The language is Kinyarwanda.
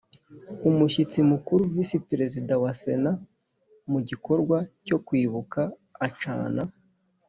Umushyitsi mukuru Vice Perezidante wa senat mu gikorwa cyo kwibuka acana